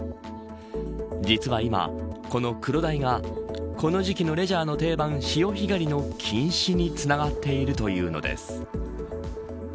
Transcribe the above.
実は今、このクロダイがこの時期のレジャーの定番潮干狩りの禁止につながっているというのです。